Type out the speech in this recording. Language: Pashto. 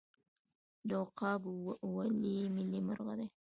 عقاب ولې ملي مرغه دی؟